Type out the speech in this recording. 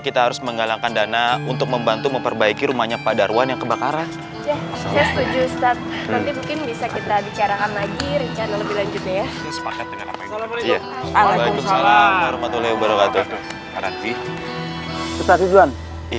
kita harus menggalangkan dana untuk membantu memperbaiki rumahnya pak darwan yang kebakaran